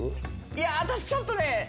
いや私ちょっとね。